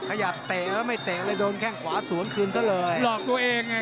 เตะแล้วไม่เตะเลยโดนแข้งขวาสวนคืนซะเลยหลอกตัวเองไง